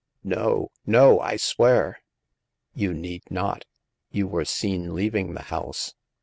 " No, no ! I swear "You need not ; you were seen leaving the house.